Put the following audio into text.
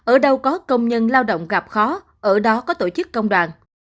ở đâu có công nhân lao động gặp khó ở đó có tổ chức công đoàn